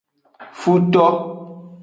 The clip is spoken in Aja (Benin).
Futo.